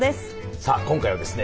さあ今回はですね